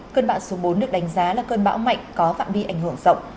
cơn bão số bốn được đánh giá là cơn bão mạnh có phạm vi ảnh hưởng rộng